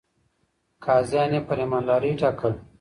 قاضيان يې پر ايماندارۍ ټاکل.